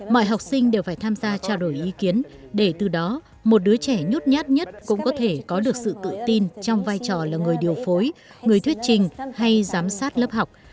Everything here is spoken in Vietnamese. mọi học sinh đều phải tham gia trao đổi ý kiến để từ đó một đứa trẻ nhút nhát nhất cũng có thể có được sự tự tin trong vai trò là người điều phối người thuyết trình hay giám sát lớp học